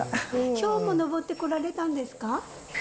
きょうも上ってこられたんですか？